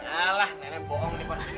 nek alah nenek bohong nih pas ini